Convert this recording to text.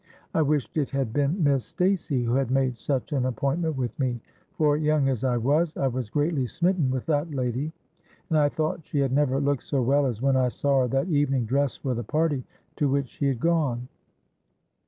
I wished it had been Miss Stacey who had made such an appointment with me; for, young as I was, I was greatly smitten with that lady; and I thought she had never looked so well as when I saw her that evening dressed for the party to which she had gone.